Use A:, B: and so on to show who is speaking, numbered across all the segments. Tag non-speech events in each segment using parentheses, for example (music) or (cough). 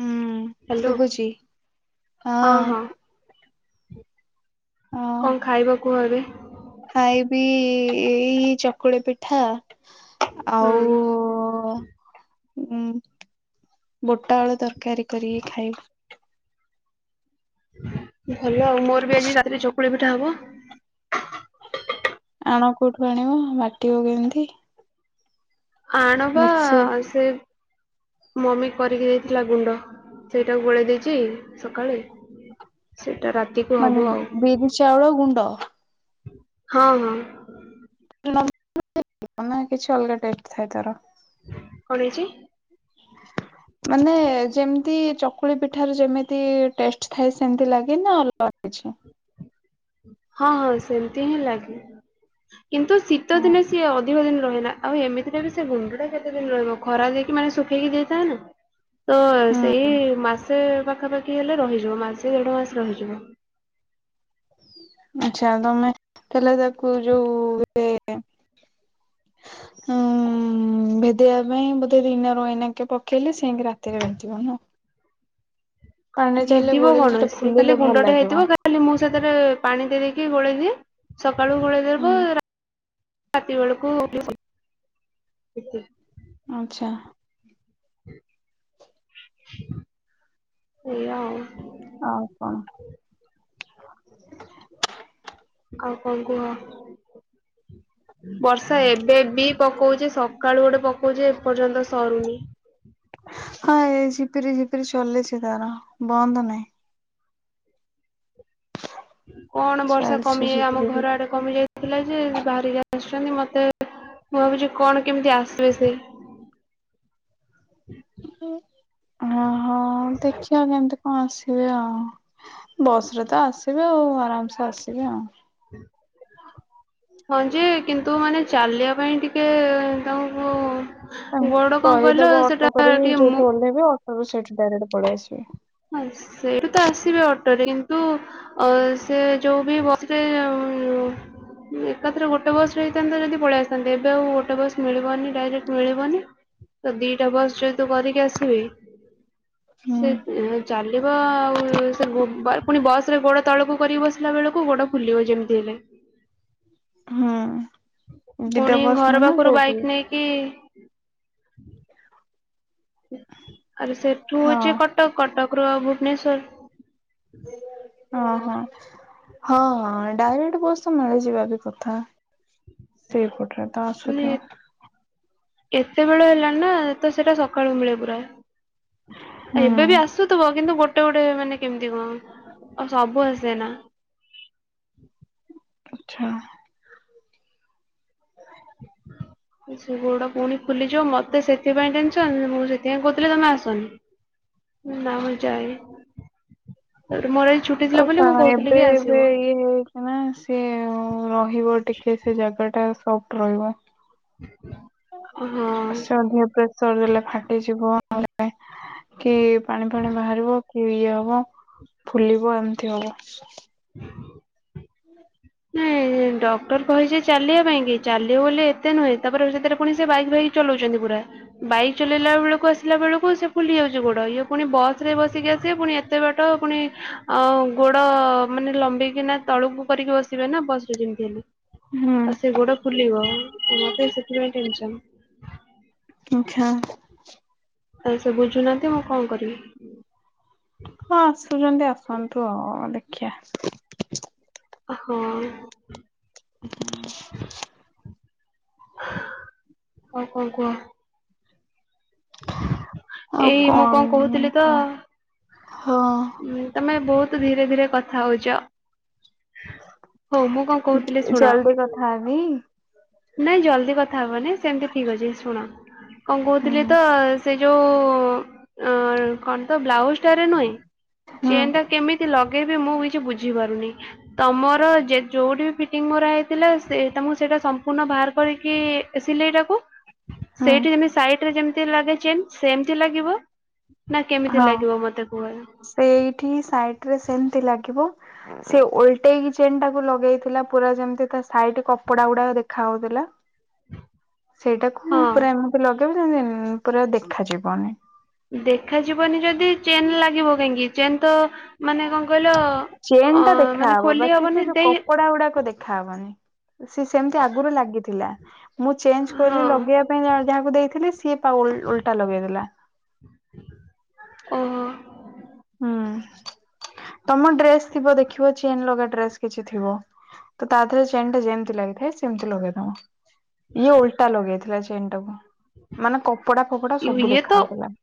A: ହୁଁ
B: ହ୍ୟାଲୋ
A: ଶୁଭୁଛି ହଁ। ହଁ
B: କଣ ଖାଇବା କୁହ ଏବେ?
A: ଖାଇବି ଏଇ ଚକୁଳି ପିଠା।
B: ହୁଁ
A: ଆଉ ଉଁ ବୁଟ ଆଳୁ ତରକାରୀ କରିକି ଖାଇବୁ।
B: ଭଲ ଆଉ ମୋର ବି ଆଜି ରାତିରେ ଚକୁଳି ପିଠା ହବ।
A: ଆଣ କୋଉଠୁ ଆଣିବ ବାଟିବ କେମିତି?
B: ଆଣବା
A: ମିକ୍ସି
B: ସେ ମମି କରିକି ଦେଇଥିଲା ଗୁଣ୍ଡ ସେଇଟାକୁ ବୋଳେଇ ଦେଇଛି ସକାଳେ। ସେଇଟା ରା
A: ମାନେ ବିରି ଚାଉଳ ଗୁଣ୍ଡ?
B: ହଁ ହଁ।
A: ନା କିଛି ଅଲଗା ଟେ ଥାଏ ତାର।
B: କଣ ହେଇଛି? ହଁ
A: ମାନେ ଯେମିତି ଚକୁଳି ପିଠାର ଯେମିତି ଟେଷ୍ଟ ଥାଏ ସେମିତି ଲାଗେ ନା ଅଲଗା କିଛି?
B: ହଁ ହଁ ସେମତି ହିଁ ଲାଗେ। କିନ୍ତୁ
A: ଓ
B: ଶୀତ ଦିନେ ସିଏ ଅଧିକ ଦିନ ରହେନା। ଆଉ ଏମିତିରେ ବି ସେ ଗୁଣ୍ଡ ଟା କେତେ ଦିନ ରହିବ ଖରା ଦେଇକି ମାନେ ଶୁଖେଇକି ଦେଇଥାଏ ନା। ତ
A: ହୁଁ
B: ସେଇ ମାସେ ପାଖାପାଖି ହେଲେ ରହିଯିବ। ମାସେ ଦେଢ ମାସ ରହିଯିବ।
A: ଆଛା ତମେ ହେଲେ ତାକୁ ଯୋଉ ଏ ହଁ ଭେଦେଇବା ପାଇଁ ବୋଧେ ଦିନ ରଇନା କେ ପକେଇଲେ ଶେନି ରାତିରେ ବଟିବ ନା। ପାଣିରେ ଚାହିଁଲେ
B: ହେଦିବ
A: ଗୋଳେଇଲେ
B: କଣ
A: ସେଟା
B: ସେ
A: ଫୁଲିଲେ
B: ଖାଲି
A: ଭଲ
B: ଗୁଣ୍ଡ ଟା
A: ଲାଗିବ।
B: ହେଇଥିବ ଖାଲି ମୁଁ ସେଥିରେ ପାଣି ଦେଇ ଦେଇକି ଗୋଳେଇଦିଏ ସକାଳୁ
A: ହୁଁ
B: ଗୋଳେଇଦବ ରା ରାତି ବେଳକୁ
A: ଆଚ୍ଛା।
B: ସେଇଆ ଆଉ।
A: ଆଉ କଣ?
B: ଆଉ କଣ କୁହ? ବର୍ଷା ଏବେ ବି ପକଉଚି ସକାଳୁ ଗୋଟେ ପକଉଛି ଏପର୍ଯ୍ୟନ୍ତ ସରୁନି
A: ହଁ ଏ ଝିପିରି ଝିପିରି ଚଲେଇଛି ତାର ବନ୍ଦ ନାହିଁ
B: କଣ ବର୍ଷା
A: ଚାଲିଛି
B: କମିଏ ଆମ
A: ଝିପିରି
B: ଘର ଆଡେ କମି ଯାଇଥିଲା ଯେ ବାହାରିକି ଆସିଛନ୍ତି ମତେ ମୁଁ ବାବୁଛି କଣ କେମିତି ଆସିବ ସେ
A: ହ ହଁ ହଁ ଦେଖିବା କେମତି କଣ ଆସିବେ ଆଉ ବସ ରେ ତ ଆସିବେ ଆଉ ଆରାମସେ ଆସିବେ ଆଉ
B: ହୁଁ ହଁ ଯେ କିନ୍ତୁ ମାନେ ଚାଲିବା ପାଇଁ ଟିକେ ତମକୁ
A: କହିଦବ ଅଟୋ କରିକି
B: ଟିକେ ମୁ
A: ଯୋଉଠୁ ଓହ୍ଲେଇବେ ଅଟୋରୁ ସେଇଠୁ ଡାଇରେକ୍ଟ ପଳେଇ ଆସିବେ।
B: ହଁ ସେଇଠୁ ତ ଆସିବେ ଅଟୋରେ କିନ୍ତୁ ଅ ଯେ ଯଉ ବି ବସ ରେ ଆଉ ଉ ଏକାଥରେ ଗୋଟେ ବସ ରେ ହେଇଥାନ୍ତା ଯଦି ପଳେଇ ଆସଥାନ୍ତି ଏବେ ଆଉ ଗୋଟେ ବସ୍ ମିଳିବନି ଡାଇରେକ୍ଟ ମିଳିବନି ତ ଦିଟା ବସ୍ ଯେହେତୁ କରିକି ଆସିବି
A: ହୁଁ
B: ସେ ଚାଲିବ ଆଉ ସେ ଗୋ ଆରେ ପୁଣି ବସ ରେ ଗୋଡ ତଳକୁ କରିକି ବସିଲା ବେଳକୁ ଗୋଡ ଫୁଲିବ ଯେମିତି ହେଲେ
A: ହୁଁ ଦିଟା
B: ପୁଣି
A: ବସ୍
B: ଘର
A: ମାନେ
B: ପାଖରୁ
A: କୋଉଠି
B: ବାଇକ୍ ନେଇକି ଆରେ ସେଠୁ
A: ହଁ
B: ହେଛି କଟକ, କଟକ ରୁ ଭୁବନଶ୍ୱର
A: ଓ ହ ହଁ ଡାଇରେକ୍ଟ ବସ ତ ମିଳିଯିବା ବି କଥା ସେଇପଟରେ ତ ଆସୁଥିବ
B: ଏତେବେଳ ହେଲାଣି ନା ଏତ ସେଟା ସକାଳୁ ମିଳେ ପୁରା
A: ହୁଁ
B: ଏବେ ବି ଆସୁଥବ କିନ୍ତୁ ଗୋଟେ ଗୋଟେ ମାନେ କେମିତି କଣ ଆଉ ସବୁ ଆସେ ନା
A: ଆଛା
B: ସେ ଗୋଡ ପୁଣି ଫୁଲିଯିବ ମତେ ସେଥିପାଇଁ ଟେନସନ ମୁଁ ସେଥିପାଇଁ କହୁଥିଲି ତମେ ଆସନି ନାଁ ମୁଁ ଯାଇ, ର ମୋର ଏଇ ଛୁଟି ଥିଲା ବୋଲି ମୁଁ କହୁଥିଲି କି ଆସିବ
A: ଆଁ ସିଏ ରହିବ ଟିକେ ସେ ଜାଗା ଟା ସଫ୍ଟ ରହିବ
B: (unintelligible) ହଁ।
A: ସେ ଅଧେ ପ୍ରେସର ଦେଲେ ଫାଟିଯିବ (unintelligible) କି ପାଣି ଫାଣି ବାହାରିବ କି ଇଏ ହବ ଫୁଲିବ ଏମିତି ହବ
B: (inaudible) ହୁଁ ଏ ଡକ୍ଟର କହିଚି ଚାଲିବା ପାଇଁ କି ଚାଲିବ ବୋଲି ଏତେ ନୁହେଁ ତାପରେ ସେଥିରେ ପୁଣି ସେ ବାଇକ୍ ଭାଇକ୍ ଚଲଉଚନ୍ତି ପୁରା ବାଇକ୍ ଚଲେଇଲା ବେଳକୁ ଆସିଲା ବେଳକୁ ସେ ଫୁଲି ଯାଉଛି ଗୋଡ ଇଏ ପୁଣି ବସ ରେ ବସିକି ଆସିବେ ପୁଣି ଏତେ ବାଟ ପୁଣି ଆଁ ଗୋଡ ମାନେ ଲମ୍ବେଇକି ନା ତଳୁକୁ କରିକି ବସି ବେ ନା ବସ ରେ ଯେମତି ହେଲେ
A: ହୁଁ
B: ଆଉ ସେ ଗୋଡ ଫୁଲିବ ମତେ ସେଥିପାଇଁ ଟେନ୍ସନ୍
A: ଆଛା
B: ଆ ସେ ବୁଝୁନାହାନ୍ତି ମୁଁ କଣ କରିବି
A: ହଁ ଆସୁଚନ୍ତି ଆସନ୍ତୁ ଆଉ ଦେଖିଆ
B: ହଁଅ
A: (inaudible)
B: ଆଉ କଣ କୁହ
A: ଆଉ
B: ଏଇ ମୁଁ
A: କଣ ଉଁ
B: କହୁଥିଲି
A: କଣ ଉଁ ହଁ ଅ
B: ଉଁ ତମେ ବହୁତ ଧୀରେ ଧୀରେ କଥା ହଉଚ ହଉ ମୁଁ କଣ କହୁଥିଲି ଶୁଣ
A: ଜଲଦି କଥା ହେବି
B: ନାଇଁ ଜଲଦି କଥା ହବନି ସେମତି ଠିକ ଅଛି ଶୁଣ କଣ କହୁଥିଲି
A: ହୁଁ
B: ତ ସେ ଯୋଉ ଉଁ କଣ ତ ବ୍ଲାଉଜ ଟାରେ ନୁହେଁ
A: ହୁଁ
B: ଚେନ୍ ଟା କେମି ତି ଲଗେଇବି ମୁଁ କିଛି ବୁଝିପାରୁନି ତମର ଯେ ଯୋଉଠି ବି ଫିଟିଙ୍ଗ ମୋରା ହେଇଥିଲା ସେ ଟା ମୁଁ ସେଟା ସମ୍ ମ୍ପୂର୍ଣ୍ଣ ବାହାର କରିକି ସିଲେଇଟାକୁ
A: ହୁଁ
B: ସେଇଠି ଯେମତି ସାଇଟ ରେ ଯେମିତି ଲାଗେ ଚେନ୍ ସେମତି ଲାଗିବ ନା କେମିତି
A: ହଁ।
B: ଲାଗିବ ମତେ କୁହ ଏ
A: ସେଇଠି ହି ସାଇଟରେ ସେମିତି ଲାଗିବ ସିଏ ଓଲଟେଇକି ଚେନ୍ ଟାକୁ ଲଗେଇଥିଲା ପୁରା ଯେମତି ତା ସାଇଡ କପଡା ଗୁଡାକ ଦେଖା ହଉଥିଲା ସେଇଟାକୁ
B: ହଁ
A: ପୁରା ଏମିତି ଲଗେଇବ ଯେମିତି ଇଁ ପୁରା ଦେଖାଯିବନି
B: ଦେଖାଯିବନି ଯଦି ଚେନ୍ ଲାଗିବ କାହିଁକି ଚେନ୍ ତ ମାନେ କଣ କହିଲ
A: ଚେନ୍
B: ଅ
A: ଟା
B: ମାନେ
A: ଦେଖାହବ
B: ଖୋଲି
A: ବାକି ସେ
B: ହବନି
A: ଯୋଉ
B: ଦେଇ
A: କପଡା ଗୁଡାକ ଦେଖାହବନି ସ ସେମିତି ଆଗରୁ ଲାଗିଥିଲା ମୁଁ ଚେଞ୍ଜ କଲି
B: ହଁ
A: ଲଗେଇବା ପାଇଁ ଜ ଯାହାକୁ ଦେଇଥିଲ ସିଏ ତା ଓଲ୍ ଓଲଟା ଲଗେଇଦେଲା
B: ଓହୋ
A: ହୁଁ ତମ ଡ୍ରେସ ଥିବ ଦେଖିବ ଚେନ୍ ଲଗା ଡ୍ରେସ କିଛି ଥିବ ତ ତା ଥିରେ ଚେନ୍ ଟା ଯେମିତି ଲାଗିଥାଏ ସେମିତି ଲଗେଇଦବ ଇଏ ଓଲଟା ଲଗେଇଥିଲା ଚେନ୍ ଟାକୁୁ ମାନେ କପଡା ଫପଡା
B: ୟୁ-
A: ସବୁ
B: ଇଏ ତ
A: ଦେଖାାଯାଉଥିଲା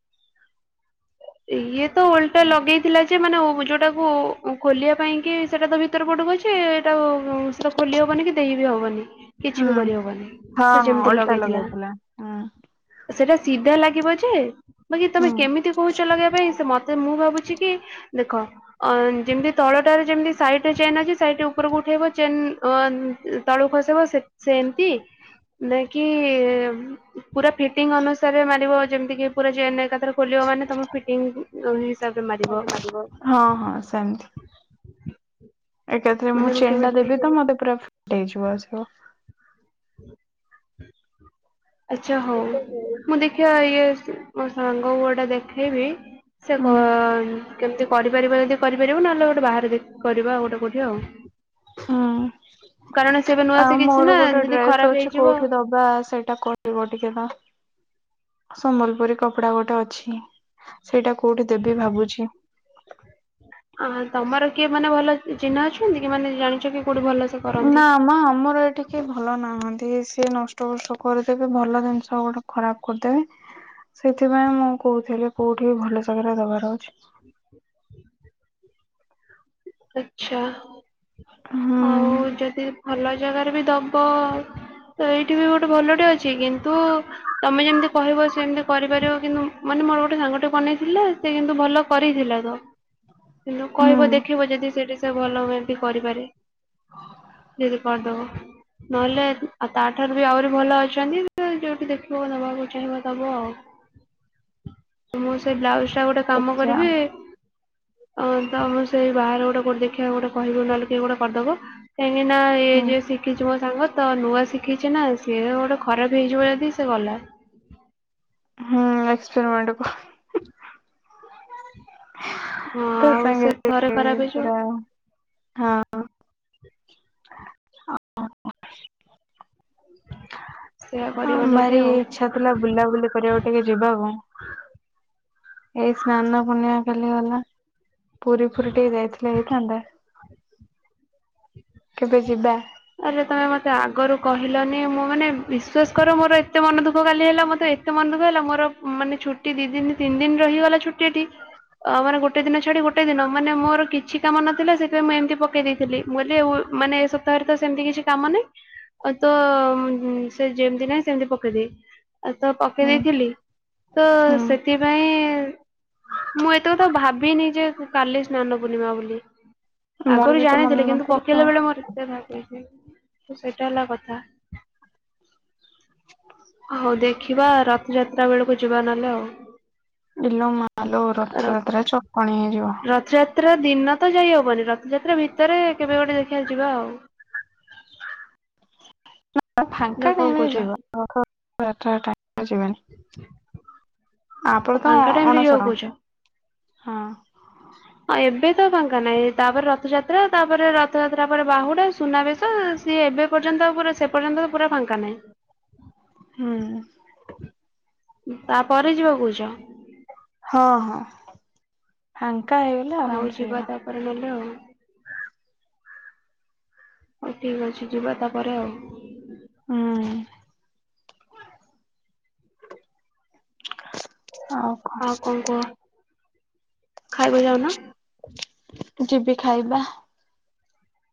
B: ଇଏ ତ ଓଲଟା ଲଗେଇଥିଲା ଯେ ମାନେ ଉ ଯୋଉଟାକୁ ଖୋଲିବା ପାଇଁ କି ସେଟା ତ ଭିତରେ ପଟୁକୁ ଅଛି ଇ ତ ଆଉ ସେତ ଖୋଲି ହବନି କି ଦେଇ ବିି ହବନି
A: ହୁଁ
B: କିଛି ବି କରିହବନି
A: ହଁ
B: ସେ
A: ହଁ
B: ଯେମିତି
A: ଅଲଟା
B: ଲଗେଇଥିଲା
A: ହୁଁ।
B: ସେଟା ସିଧା ଲାଗିବ ଯେ ବାକି ତମେ
A: ହଁ
B: କେମିତି କହୁଚ ଲଗେଇବା ପାଇଁ ସେ ମତେ ମୁଁ ଭାବୁଛି କି ଦେଖ ଅ ଯେମିତି ତଳଟାରେ ଯେମିତି ସାଇଟ ଚେନ୍ ଅଛି ସାଇଟ୍ ଉପରକୁ ଉଠେଇବ ଚେନ୍ ଅ ତଳୁକୁ ଖସବ ସେମିତି ନେ କିି ପୁରା ଫିଟିଙ୍ଗ ଅନୁସାରେ ମାରିବ ଯେମିତି କି ପୁରା ଜେନ୍ ଏକାଥରେ ଖୋଲିବ ମାନେ ତମ ଫିଟିଙ୍ଗ କୁ (unintelligible) ହିସାବରେ ମାରିବ
A: ହଁ ହଁ ସେମିତି ଏକାଥିରେ ମୁଁ
B: ମାନେ
A: ଚେନ୍ ଟା
B: କେମିତି
A: ଦେବି ତ ମତେ ପୁରା ଫିଟ୍ ହେଇଯିବ ସ
B: (inaudible) ଆଛା ହଉ ମୁଁ ଦେଖିବା ଇଏ ମୋ ସାଙ୍ଗକୁ ଅଟା ଦେଖେଇବି ସେ
A: ହୁଁ
B: କ କେମିତି କରିପାରିବ ଯଦି କରିପାରିବ ନହେଲେ ଗୋଟେ ବାହାରେ ଦେଖି କି କରିବା ଆଉ ଗୋଟେ କୋଉଠି ଆଉ
A: ହୁଁ
B: କାରଣ ସେ ଏବେ ନୂଆ
A: ଆଉ
B: ଶିଖିଛି
A: ମୋର
B: ନା
A: ଗୋଟେ
B: ଯଦି
A: ଡ୍ରେସ୍
B: ଖରାପ
A: ଅଛି
B: ହେଇଯିବ
A: କୋଉଠି ଦବ ବା ସେଇଟା କହିବ ଟିକେ ନା ସମ୍ବଲପୁରୀ କପଡା ଗୋଟେ ଅଛି ସେଇଟା କୋଉଠି ଦେବି ଭାବୁଛି
B: ଆଁ ତମର କିଏ ମାନେ ଭଲ ଚିହ୍ନା ଅଛନ୍ତି କି ମାନେ ଜାଣିଛ କି କୋଉଠି ଭଲ ସେ
A: ନା ମ ଆମର ଏଠି ଏ ଭଲ ନାହାଁନ୍ତି ସିଏ ନଷ୍ଟ ଫଷ୍ଟ କରିଦେବେ ଭଲ ଜିନିଷ ଗୋଟେ ଖରାପ କରଦେବେ ସେଥିପାଇଁ ମୁଁ କହୁଥିଲି କୋଉଠି ଭଲ ଜାଗାରେ ଦବାର ଅଛି
B: ଆଛା, ଆଉ
A: ହୁଁ
B: ଯଦି ଭଲ ଜାଗାରେ ବି ଦବ ଏଇଠି ବି ଗୋଟେ ଭଲଟେ ଅଛି କିନ୍ତୁ ତମେ ଯେମିତି କହିବ ସେମିତି କରିପାରିବ କିନ୍ତୁ ମାନେ ମୋର ଗୋଟେ ସାଙ୍ଗଟେ ବନେଇଥିଲା ସେ କିନ୍ତୁ ଭଲ କରିଥିଲା ତ ନ କହିବ
A: ହୁଁ।
B: ଦେ ସେଠି ସେ ଭଲ ହୁଏ ତି କରିପାରେ ଯି କରଦବ ନହେଲେ ଆଉ ତାଠାରୁ ବି ଆହୁରି ଭଲ ଅଛନ୍ତି ଯୋଉଠି ଦେଖିବ ଦବାକୁ ଚାହିଁବ ଦବ ଆଉ ମୁଁ ସେ ବ୍ଲାଉଜ ଟା ଗୋଟେ କାମ
A: ଦେଖିବା ଆଉ
B: କରିବି ଅ ତ ସେ ବାହାରେ ଗୋଟେ କୋଟେ ଦେଖିବାକୁ ଗୋଟେ କହିବୁ ନହେଲେ କିଏ ଗୋଟେ କରଦବ ଏହିଁକି ନା ଏଇ
A: ହୁଁ।
B: ଯିଏ ଶିକିଛି ବ ସାଙ୍ଗ ତ ନୂଆ ଶିଖିଚିନା ସିଏ ଗୋଟେ ଖରାପ ହେଇଯିବ ଯଦି ସେ ଗଲା
A: ହୁଁ ଏକ୍ସପେରିମେଣ୍ଟ କ
B: ହଁ
A: ତା
B: ଆଉ ସେ
A: ସାଙ୍ଗରେ
B: ଥରେ ଖରାପ ହେଇଯିବ
A: ପୁରା ହଁ
B: ହ ହ
A: ହଁ ଭାରି ଇଛା ଥିଲା ବୁଲାବୁଲି କରିବାକୁ ଟିକେ ଯିବାକୁ ଏଇ ସ୍ନାନ ପୁନିମା କାଲି ଗଲା ପୁରୀ ଫୁରୀ ଟିକେ ଯାଇଥିଲେ ହେଇଥାନ୍ତା, କେବେ ଯିବା?
B: ଆରେ ତମେ ମତେ ଆଗରୁ କହିଲନି ମୁଁ ମାନେ ବିଶ୍ଵାସ କର ମୋର ଏତେ ମନ ଦୁଃଖ କାଲି ହେଲା ମତେ ଏ ଏତେ ମନ ଦୁଖ ହେଲା ମୋର ମାନେ ଛୁଟି ଦି ଦିନ ତିନି ଦିନ ରହିଗଲା ଛୁଟି ଏଠି ଅ ମାନେ ଗୋଟେ ଦିନ ଛାଡି ଗୋଟେ ଦିନ ମାନେ ମୋର କିଛି କାମ ନଥିଲା ସେଥିପାଇଁ ମୁଁ ଏମତି ପକେଇ ଦେଇ ଥିଲି (unintelligible) ମାନେ ଏ ସବୁ ରେ ତ ସେମିତି କିଛି କାମ ନାହିଁ, ଆଉ ତ ସେ ଯେମତି ନାହିଁ ସେମିତି ପକେଇଦିଏ ତ ପକେଇ
A: ହୁଁ
B: ଦେଇେଇଥିଲି ତ
A: ହୁଁ
B: ସେଥିପାଇଁ ମୁଁ ଏତେ କଥା ଭାବିନି ଯେ କାଲି ସ୍ନାନ ପୂର୍ଣ୍ଣିମା ବୋଲି
A: ମୋର
B: ଆଗରୁ
A: ବି ତ
B: ଜାଣିଥିଲି
A: ମନେ
B: କିନ୍ତୁ
A: ନଥିଲା।
B: ପକେଇଲା
A: ଆଉ।
B: ବେଳେ ମୋର ଏତେ ଭ ହେଇଛି ତ ସେଇଟା ହେଲା କଥା ହଉ ଦେଖିବା ରଥଯାତ୍ରା ବେଳକୁ ଯିବା ନହେଲେ ଆଉ
A: ଇଲୋ ମାଲୋ ରଥଯାତ୍ରା ଚକଣି ହେଇଯିବ
B: ତ୍ରା ଦିନ ତ ଯାଇ ହବନି ରଥଯାତ୍ରା ଭିତରେ କେବେ ଗୋଟେ ଦେଖିବା ଯ ଯିବା ଆଉ ନା
A: ଫାଙ୍କା
B: କଣ
A: ଟାଇମରେ
B: କହୁଛ
A: ଯିବା (unintelligible) (unintelligible) ଟାଇମ ରେ ଯିବାନି ଆ
B: ଆଉ
A: ପରେ ତ
B: ଫାଙ୍କା
A: ଅ
B: ଟାଇମ ରେ ଯିବାକୁ
A: ଅଣସର
B: କହୁଛ?
A: ହଁ
B: ହଁ ଏବେ ତ ଫଙ୍କା ନାହିଁ, ତାପରେ ରଥଯାତ୍ରା ତାପରେ ରଥଯାତ୍ରା ପରେ ବାହୁଡା, ସୁନାବେଶ ସିଏ ଏବେ ପର୍ଯ୍ୟନ୍ତ ପୁରା ସେ ପର୍ଯ୍ୟନ୍ତ ପୁରା ଫାଙ୍କା ନାହିଁ।
A: ହୁଁ
B: ତାପରେ ଯିବା କହୁଛ?
A: ହଁ ହଁ ଫାଙ୍କା ହେଇ
B: ହଉ ଯିବା ତାପରେ ନେଲେ ଆଉ ହଉ ଠିକ୍ ଅଛି ଯିବା ତାପରେ ଆଉ
A: ହୁଁ
B: ଆଉ କଣ କୁହ ଖାଇବା ଯାଉନ
A: ଯିବି ଖାଇବା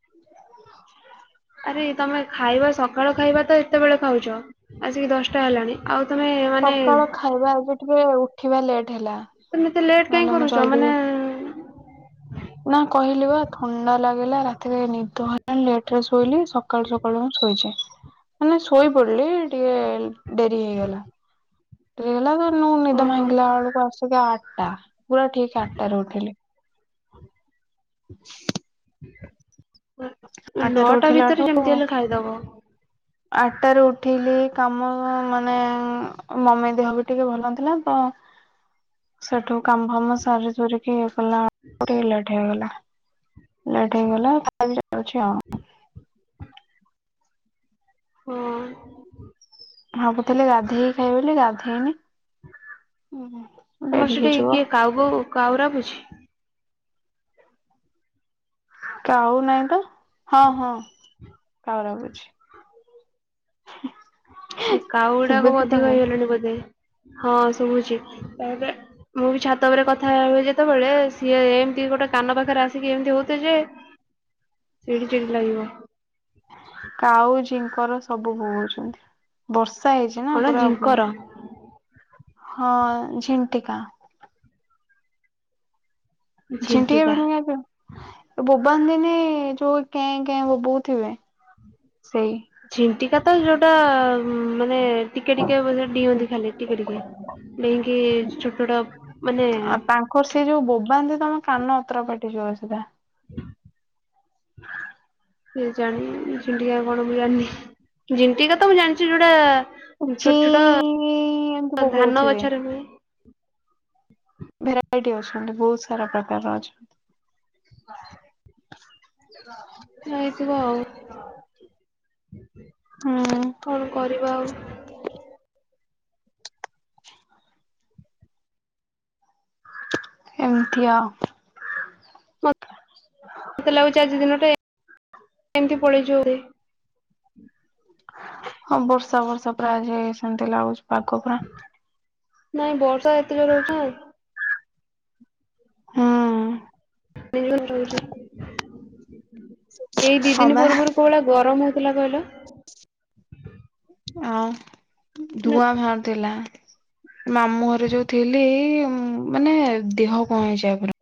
A: (inaudible)
B: ଆରେ ତମେ ଖାଇବା ସକାଳ ଖାଇବା ତ ଏତେବେଳେ ଖାଉଚ ଆସିକି ଦଶଟା ହେଲାଣି ଆଉ ତମେ ମାନେ
A: ସକାଳ ଖାଇବା ଏବେ ଟିକେ ଉଠିବା ଲେଟ୍ ହେଲା
B: ତମେ ଏତେ ଲେଟ୍ କାହିଁ
A: ନହେଲେ ମୁଁ
B: କରୁଛ
A: ଜଲଦି
B: ମାନେ
A: ଉ ନା କହିଲି ବା ଥଣ୍ଡା ଲାଗିଲା ରାତ ତି ରେ ନିଦ ହେଲାନି ଲେଟରେ ଶୋଇଲି ସକାଳୁ ସକାଳୁ ମୁଁ ଶୋଇଚି ମାନେ ଶୋଇ ପଡିଲି ଟିକେ ଡେରି ହେଇଗଲା ହେଲା ତ ନୁ ନିଦ
B: ଓହୋ
A: ଭାଙ୍ଗିଲା ବେଳକୁ ଆସିକି ଆଠଟା ପୁରା ଠିକ ଆଠଟା ରେ ଉଠିଲି। (inaudible) ଆଠଟାରେ
B: ନଅଟା
A: ଉଠିଲାଠୁ
B: ଭିତରେ ଯେମିତି ହେଲେ ଖାଇଦବ।
A: ଆଠଟାରେ ଉଠିଲି କାମ ମାନେ ମ ମମି ଦେହ ବି ଟିକେ ଭଲ ନଥିଲା ତ
B: (inaudible)
A: ସେଠୁ କାମ ଫାମ ସାରି ସୁରିକି ଇଏ କଲା ବେଳକୁ ଟିକିଏ ଲେଟ୍ ହେଇଗଲା ଲେଟ୍ ହେଇଗଲା ଛି ଆଉ (unintelligible)
B: ହଁ
A: ଭାବୁଥିଲି ଗାଧେଇକ ଖାଇ ବୋଲି ଗାଧେଇନି ଉଁ ହୁଁ
B: ତମର
A: ଡେରି
B: ସେଠି
A: ହେଇଯିବ
B: କିଏ କାଉ ବୋବୁ କାଉ ରା ବୁଛି।
A: କାଉ ନହିଁ ତ ହଁ ହଁ କାଉ ରାବୁଛି।
B: ଏ କାଉ ଗୁଡାକ ଅଧିକ ହେଇଗଲାଣି ବୋଧେ ହଁ ସବୁଛି ତାପରେ ମୁଁ ବି ଛାତ ଉପରେ କଥା ହୁଏ ଯେତେବେଳେ ସିଏ ଏମିତି ଗୋଟେ କାନ ପାଖରେ ଆସିକି ଏମିତି ହଉଥିବେ ଯେ ସେଇଠି ଚିଠ ଲାଗିବ
A: କାଉ ଜିଙ୍କର ସବୁ ବୋଉଛନ୍ତି ବର୍ଷା ହେଇଛି ନା
B: କଣ
A: ପୁରା
B: ଝିଙ୍କର
A: ହଁ ଝିଣ୍ଟିକା ଝଣ୍ଟିଆ
B: ଝିଣ୍ଟିକା।
A: ପିନ୍ତିଆ ପିଉ ବୋବା ଦିନି ଯୋଉ କେଁ କେଁ ବୋବୋଉ ଥିବେ ସେଇ
B: ଝିଣ୍ଟିକା ତ ଯୋଉଟା ମାନେ ଟିକେ ଟିକେ ବେ ଡିଅନ୍ତି ଖାଲି ଟିକେ ଟିକେ ଡେଇଁକି ଛୋଟ ଟା ମାନେ
A: ଆଉ ତାଙ୍କର ସେ ଯୋଉ ବୋବାନ୍ତି ତମ କାନ ଅତର ପାଟି ଯିବ ସେଧା
B: (inaudible) ସେ ଜାଣି ଝଣ୍ଟିକା କଣ ମୁଁ ଜାଣିନି ଝଣ୍ଟିକା ତ ମୁଁ ଜାଣିଛି ଯୋଉଟା
A: କୋଚି
B: ଛୋଟ
A: ଏମିତି
B: ଛୋଟ ଧାନ
A: ବୋବଉଥିବେ।
B: ଗଛରେ ହୁଏ।
A: ଭେରାଇଟି ଅଛନ୍ତି। ବହୁତ ସାରା ପ୍ରକାରର ଅଛନ୍ତି। (inaudible)
B: ନେଇଥିବ ଆଉ
A: ହୁଁ
B: କଣ କରିବା ଆଉ
A: ଏମିତି ଆଉ।
B: ମୋତେ ଲାଗୁଛି ଆଜି ଦିନଟା ଏ ଏମତି ପଳେଇ ଯିବ ବୋଧେ।
A: ହଁ ବର୍ଷା ବର୍ଷା ପୁରା ଆଜି ସେମତି ଲାଗୁଛି ପାଗ ପୁରା
B: ନାଇଁ ବର୍ଷା ଏତେ ଜୋର ହଉଛି
A: ହଁ।
B: ବିଲୁ ଚୁଇଚି ଏଇ ଦି
A: ହଁ
B: ଦିନ
A: ବା
B: ପୂର୍ବରୁ କଉବଲା ଗରମ ହେଉଥିଲା କହିଲ?
A: ଆଉ ଧୂଆଁ ଭରୁଥିଲା। ମାମୁଁ ଘରେ ଯୋଉ ଥିଲି ମାନେ ଦେହ କଣ ହେଇଯାଏ ପୁରା।